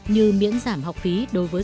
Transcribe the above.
như miễn giảm học phí đối với